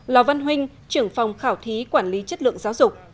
lò văn huynh trưởng phòng khảo thí quản lý chất lượng giáo dục